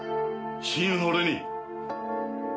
親友の俺に。